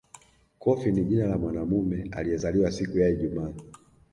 Kofi ni jina la mwanamume aliyezaliwa siku ya Ijumaa